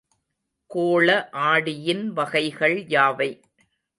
கோள ஆடியின் வகைகள் யாவை?